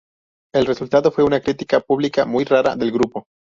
El resultado fue una crítica pública muy rara del grupo.